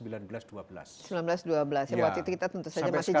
seribu sembilan ratus dua belas ya waktu itu kita tentu saja masih zaman kolonial